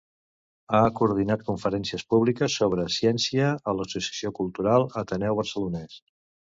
Ha coordinat conferències públiques sobre ciència a l’associació cultural Ateneu Barcelonès.